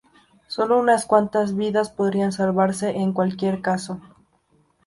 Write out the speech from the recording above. Sólo unas cuantas vidas podrían salvarse en cualquier caso.